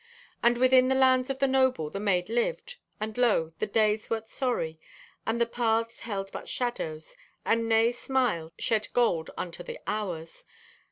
And within the lands of the noble the maid lived, and lo, the days wert sorry, and the paths held but shadows, and nay smiles shed gold unto the hours.